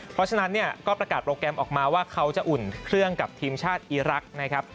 เพราะฉะนั้นเนี่ยก็ประกาศโปรแกรมออกมาว่าเขาจะอุ่นเครื่องกับทีมชาติอีรักษ์นะครับ